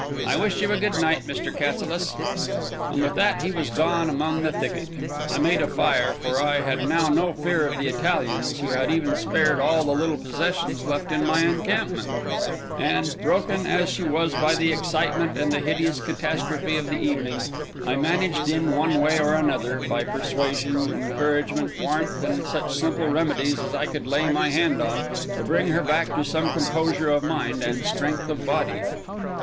I wish you a good night, Mr. Cassilis." And with that he was gone among the thicket. I made a fire, for I had now no fear of the Italians, who had even spared all the little possessions left in my encampment; and, broken as she was by the excitement and the hideous catastrophe of the evening, I managed, in one way or another—by persuasion, encouragement, warmth, and such simple remedies as I could lay my hand on—to bring her back to some composure of mind and strength of body.